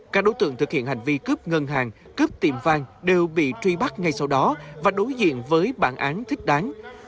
các đối tượng thực hiện hành vi cướp ngân hàng cướp tiệm vang đều bị truy bắt ngay sau đó và đối diện với bản án thích đáng